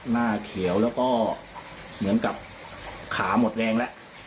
หน้าเขียวแล้วก็เหมือนกับขาหมดแรงแล้ว